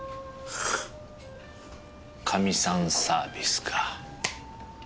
カミさんサービスか。